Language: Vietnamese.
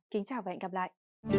kính chào và hẹn gặp lại